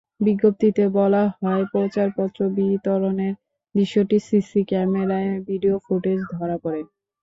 বিজ্ঞপ্তিতে বলা হয়, প্রচারপত্র বিতরণের দৃশ্যটি সিসি ক্যামেরার ভিডিও ফুটেজে ধরা পড়ে।